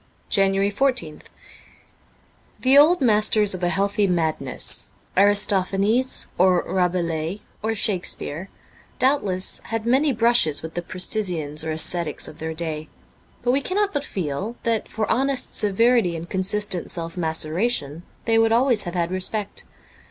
H JANUARY 14th THE old masters of a healthy madness — Aristo phanes or Rabelais or Shakespeare — doubtless had many brushes with the precisians or ascetics of their day, but we cannot but feel that for honest severity and consistent self maceration they would always have had respect.